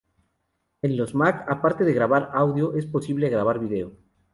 En los Mac, aparte de grabar audio, es posible grabar vídeo.